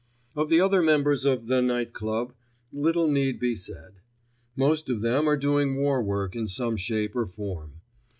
Of the other members of The Night Club little need be said. Most of them are doing war work in some shape or form.